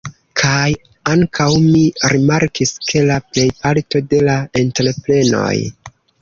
Kaj ankaŭ mi rimarkis ke la plejparto de la entreprenoj